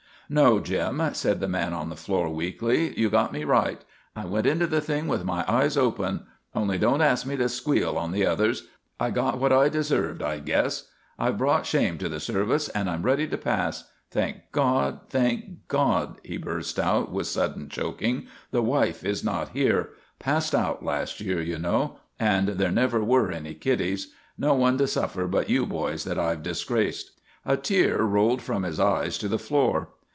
"No, Jim," said the man on the floor, weakly. "You got me right. I went into the thing with my eyes open. Only don't ask me to squeal on the others. I got what I deserved, I guess. I've brought shame to the service and I'm ready to pass. Thank God, thank God," he burst out with sudden choking, "the wife is not here passed out last year, you know; and there never were any kiddies. No one to suffer but you boys that I've disgraced." A tear rolled from his eyes to the floor.